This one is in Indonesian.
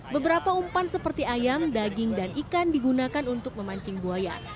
beberapa umpan seperti ayam daging dan ikan digunakan untuk memancing buaya